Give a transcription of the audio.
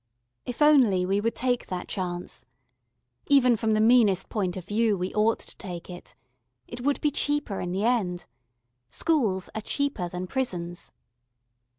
If only we would take that chance! Even from the meanest point of view we ought to take it. It would be cheaper in the end. Schools are cheaper than prisons.